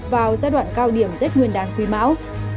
vào giai đoạn cao điểm tết nguyên đán quý mão